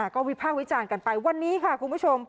ก็วิภาควิจารณ์กันไปวันนี้ค่ะคุณผู้ชม